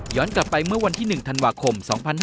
กลับไปเมื่อวันที่๑ธันวาคม๒๕๕๙